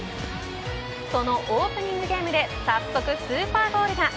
そのオープニングゲームで早速スーパーゴールが。